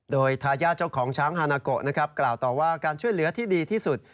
โดยทายาทเจ้าของช้างฮานาโกะนะครับกล่าวต่อว่าการช่วยเหลือที่ดีที่สุด